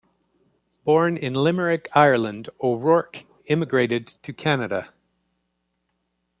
Born in Limerick, Ireland, O'Rourke immigrated to Canada.